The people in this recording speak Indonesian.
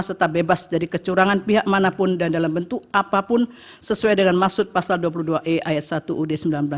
serta bebas dari kecurangan pihak manapun dan dalam bentuk apapun sesuai dengan maksud pasal dua puluh dua e ayat satu ud seribu sembilan ratus empat puluh lima